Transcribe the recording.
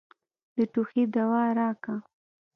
د ټوخي دوا راکه.